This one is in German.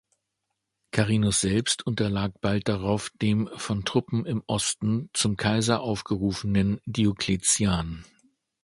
Carinus selbst unterlag bald darauf dem von Truppen im Osten zum Kaiser ausgerufenen Diokletian.